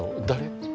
誰？